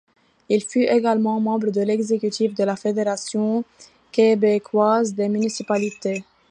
Il fut également membre de l'exécutif de la Fédération québécoise des municipalités.